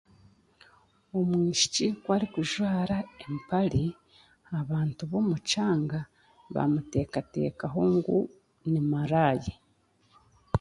Omwishiki ku arikujwara empare, abantu b'omu kyanga bamuteekateekaho ngu ni maraayi